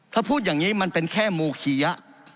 ถ้าพูดอย่างนี้มันเป็นแค่โมคียะ